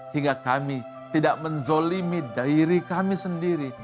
hingga kami tidak menzolimi dari kami sendiri